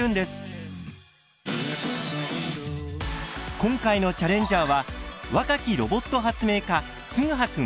今回のチャレンジャーは若きロボット発明家つぐはくん。